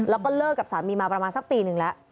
แล้วก็เลิกกับสามีมาประมาณสักปีนึงแล้ว